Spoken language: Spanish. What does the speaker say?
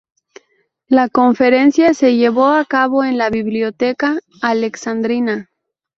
La conferencia se llevó a cabo en la Bibliotheca Alexandrina.